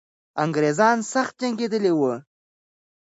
انګریزان سخت جنګېدلي وو.